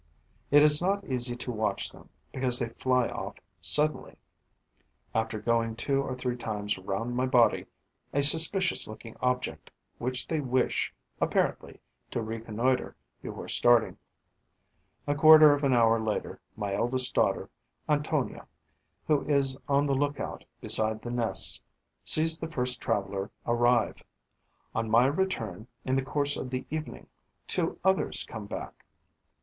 It is not easy to watch them, because they fly off suddenly, after going two or three times round my body, a suspicious looking object which they wish, apparently, to reconnoitre before starting. A quarter of an hour later, my eldest daughter, Antonia, who is on the look out beside the nests, sees the first traveller arrive. On my return, in the course of the evening, two others come back.